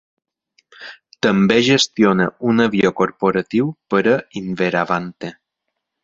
També gestiona un avió corporatiu per a Inveravante.